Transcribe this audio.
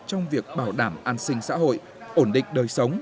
trong việc bảo đảm an sinh xã hội ổn định đời sống